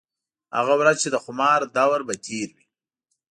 هغه ورځ چې د خومار دَور به تېر وي